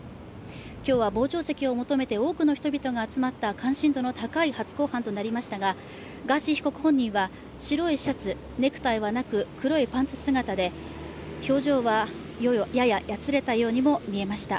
今日は傍聴席を求めて多くの人々が集まった関心度の高い初公判となりましたが、ガーシー被告本人は白いシャツ、ネクタイはなく、黒いパンツ姿で、表情はやややつれたようにも見えました。